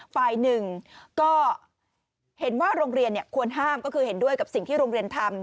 ฝ่ายหนึ่งก็เห็นว่าโรงเรียนควรห้ามก็คือเห็นด้วยกับสิ่งที่โรงเรียนทำ